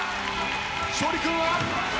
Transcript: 勝利君は？